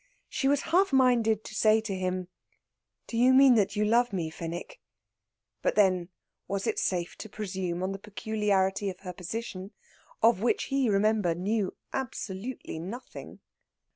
She was half minded to say to him, "Do you mean that you love me, Fenwick?" But, then, was it safe to presume on the peculiarity of her position, of which he, remember, knew absolutely nothing.